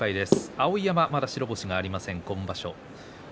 碧山はまだ白星がありません、今場所。